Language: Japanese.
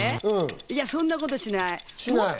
そんなことしない。